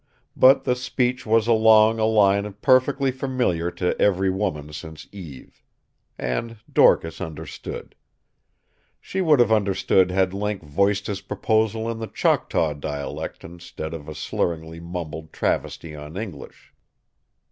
But the speech was along a line perfectly familiar to every woman since Eve. And Dorcas understood. She would have understood had Link voiced his proposal in the Choctaw dialect instead of a slurringly mumbled travesty on English.